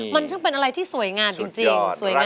มันซึ่งเป็นอะไรที่สวยงามจริงสวยงาม